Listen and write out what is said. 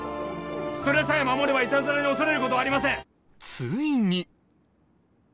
それさえ守ればいたずらに恐れることはありません